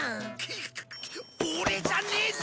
オレじゃねえぞ！